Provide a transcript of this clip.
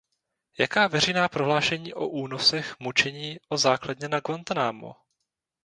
Jaká veřejná prohlášení o únosech, mučení, o základně na Guantánamu?